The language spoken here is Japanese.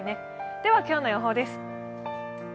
では今日の予報です。